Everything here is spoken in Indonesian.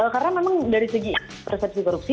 karena memang dari segi persepsi korupsi